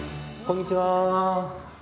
こんにちは。